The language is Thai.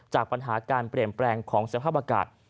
จากปัญหาการเปลี่ยนแปลงของสภาพอากาศ